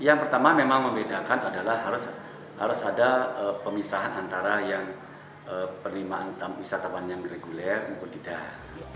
yang pertama memang membedakan adalah harus ada pemisahan antara yang perlimaan tamu wisatawan yang reguler muka tidak